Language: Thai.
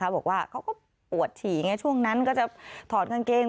บอกว่าเขาก็ปวดฉี่ไงช่วงนั้นก็จะถอดกางเกง